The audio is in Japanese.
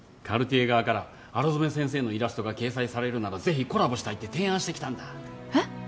カルティエ側から荒染先生のイラストが掲載されるならぜひコラボしたいって提案してきたんだえっ！？